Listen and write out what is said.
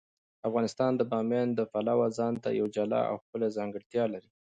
افغانستان د بامیان د پلوه ځانته یوه جلا او ښکلې ځانګړتیا لري.